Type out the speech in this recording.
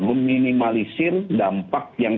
meminimalisir dampak yang